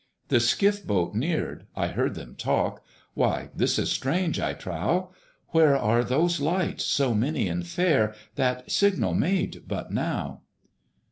The skiff boat neared: I heard them talk, "Why this is strange, I trow! Where are those lights so many and fair, That signal made but now?"